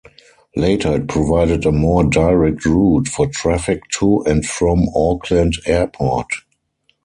Later, it provided a more direct route for traffic to and from Auckland Airport.